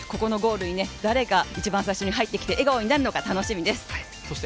ゴールに誰が一番最初に入ってきて、笑顔になるのか楽しみです。